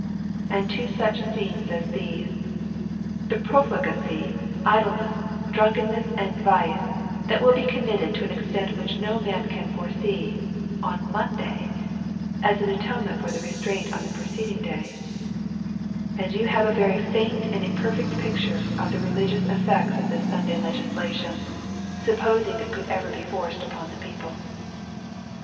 Add to such scenes as these, the profligacy, idleness, drunkenness, and vice, that will be committed to an extent which no man can foresee, on Monday, as an atonement for the restraint of the preceding day; and you have a very faint and imperfect picture of the religious effects of this Sunday legislation, supposing it could ever be forced upon the people.